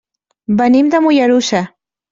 Venim de Mollerussa.